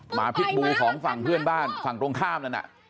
หมาพิษบูของฝั่งเพื่อนบ้านฝั่งตรงข้ามนั่นน่ะ